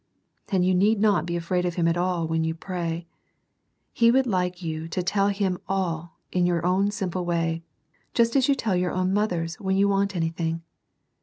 And you need not be afi:aid of Him at all when you pray. He would like you to tell Him all in your own simple way, just as you tell your own mothers when you want an)rthing.